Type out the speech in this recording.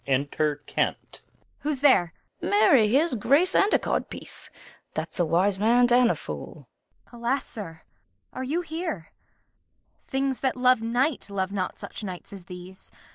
Kent. Who's there? Fool. Marry, here's grace and a codpiece; that's a wise man and a fool. Kent. Alas, sir, are you here? Things that love night Love not such nights as these.